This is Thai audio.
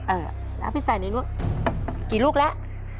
เออแล้วพี่ใส่ในลูกกี่ลูกแล้ว